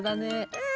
うん！